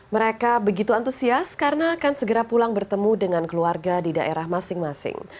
mereka begitu antusias karena akan segera pulang bertemu dengan keluarga di daerah masing masing